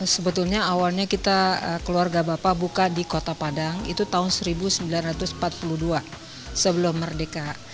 sebetulnya awalnya kita keluarga bapak buka di kota padang itu tahun seribu sembilan ratus empat puluh dua sebelum merdeka